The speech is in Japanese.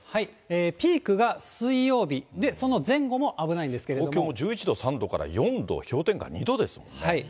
ピークが水曜日、で、東京も１１度、３度から４度、氷点下２度ですもんね。